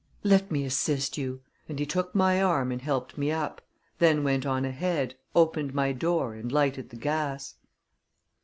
"Let me assist you," and he took my arm and helped me up; then went on ahead, opened my door, and lighted the gas.